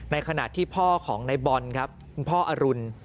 ในขณะที่พ่อของในบอลครับคุณพ่ออรุณ